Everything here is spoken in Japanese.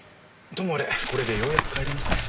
ともあれこれでようやく帰れますね。